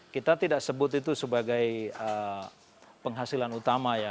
kita tidak sebut itu sebagai penghasilan utama ya